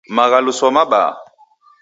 Maghaluso mabaa.